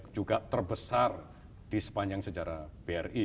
juga terbesar di sepanjang sejarah bri